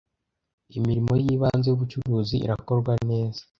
imirimo y ibanze y ubucuruzi irakorwa neza